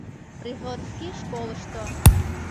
— Приходский школышто.